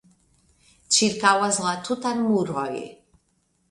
Ĉirkaŭas la tutan muroj.